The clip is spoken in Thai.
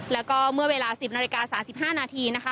แล้วก็เมื่อเวลา๑๐นาฬิกา๓๕นาทีนะคะ